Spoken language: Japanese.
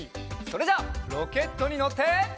それじゃあロケットにのって。